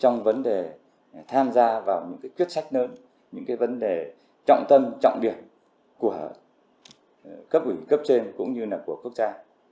những vấn đề trọng tâm trọng điểm của cấp ủy cấp trên cũng như là của quốc gia